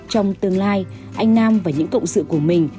trong tương lai anh nam và những cộng sự của mình